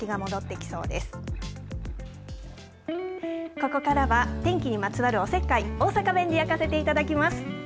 ここからは天気にまつわるおせっかい大阪弁で焼かせていただきます。